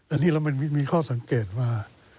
อันนี้เรามีข้อสังเกตว่า